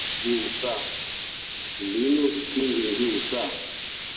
Linu ngili yuusa.